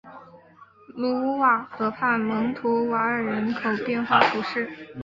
卢瓦河畔蒙图瓦尔人口变化图示